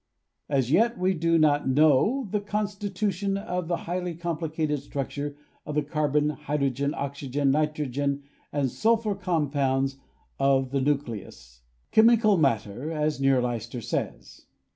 As yet we do not know the constitution of the highly complicated structures of the carbon, hydrogen, oxygen, nitrogen and sulphur com pounds of the nucleus — "chemical matter," as Neur leister says.